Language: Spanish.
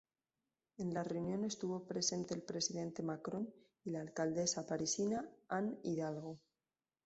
En la reunión estuvo presente el presidente Macron y la alcaldesa parisina Anne Hidalgo.